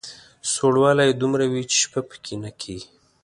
سوړوالی یې دومره وي چې شپه په کې نه کېږي.